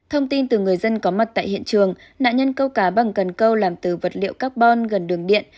thông tin từ người dân có mặt tại hiện trường nạn nhân câu cá bằng cần câu làm từ vật liệu carbon gần đường điện